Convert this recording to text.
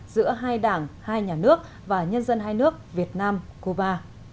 giữa hai đảng hai nhà nước và nhân dân hai nước việt nam cuba